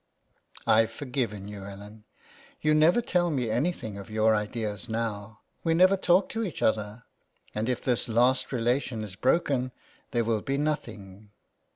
" Pve forgiven you, Ellen. ., You never tell me anything of your ideas now ; we never talk to each other, and if this last relation is broken there will be nothing